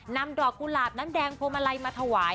นำดอกกุหลาบน้ำแดงพวงมาลัยมาถวาย